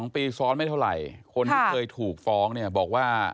๒ปีซ้อนไม่เท่าไหร่คนที่เคยถูกฟ้องเนี่ยบอกว่า